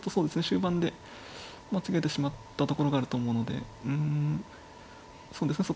終盤で間違えてしまったところがあると思うのでうんそうですね